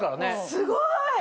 すごい！